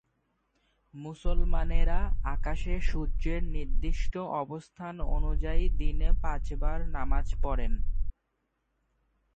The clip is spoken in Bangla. মুসলমানেরা আকাশে সূর্যের নির্দিষ্ট অবস্থান অনুযায়ী দিনে পাঁচ বার নামাজ পড়েন।